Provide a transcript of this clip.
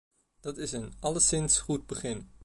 Dat is een alleszins goed begin.